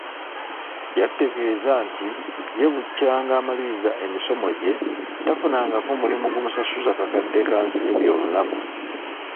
"Yatutegeeza nti ye bukyanga amaliriza emisomo gye, tafunangako mulimu gumusasuza kakadde ka nsimbi olunaku."